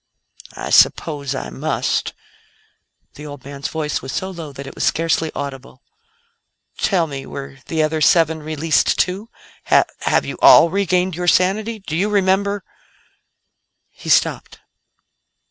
"I suppose I must." The old man's voice was so low that it was scarcely audible. "Tell me were the other seven released, too? Have have you all regained your sanity? Do you remember " He stopped.